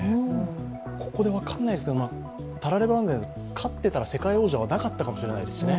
ここで分からないですけど、たらればですが、勝ってたら世界王者はなかったかもしれないですしね。